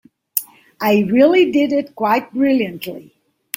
I really did it quite brilliantly.